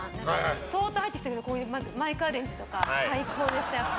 そーっと入ってきてこういうマイクアレンジとか最高でした、やっぱ。